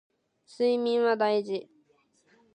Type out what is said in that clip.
睡眠は大事